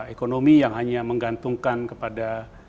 ekonomi yang hanya menggantungkan kepada